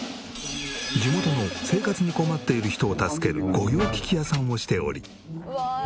地元の生活に困っている人を助ける御用聞き屋さんをしており。